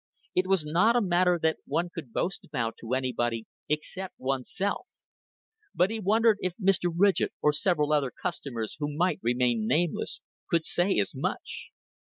It was not a matter that one could boast about to anybody except one's self; but he wondered if Mr. Ridgett, or several other customers who might remain nameless, could say as much.